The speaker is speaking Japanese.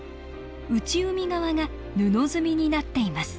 内海側が布積みになっています。